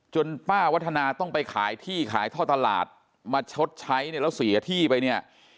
ป้าวัฒนาต้องไปขายที่ขายท่อตลาดมาชดใช้เนี่ยแล้วเสียที่ไปเนี่ย